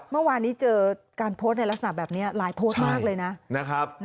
เมื่อวานนี้เจอการโพสต์ในลักษณะแบบนี้หลายโพสต์มากเลยนะ